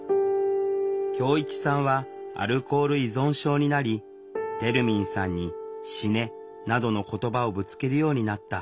恭一さんはアルコール依存症になりてるみんさんに「死ね」などの言葉をぶつけるようになった。